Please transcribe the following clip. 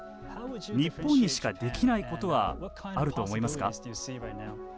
日本にしかできないことはあると思いますか。